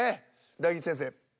大吉先生。